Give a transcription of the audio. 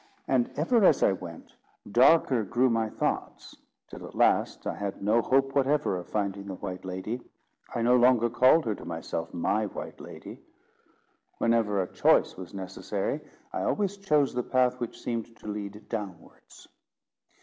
And ever as I went, darker grew my thoughts, till at last I had no hope whatever of finding the white lady: I no longer called her to myself my white lady. Whenever a choice was necessary, I always chose the path which seemed to lead downwards.